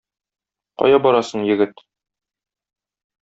Кая барасың, егет?